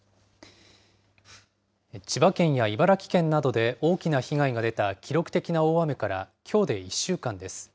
千葉県や茨城県などで大きな被害が出た記録的な大雨からきょうで１週間です。